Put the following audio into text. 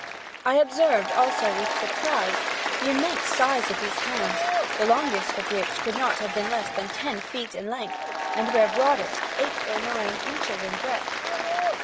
I observed also, with surprise, the immense size of these hands, the longest of which could not have been less than ten feet in length, and, where broadest, eight or nine inches in breadth.